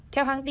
theo hàng tin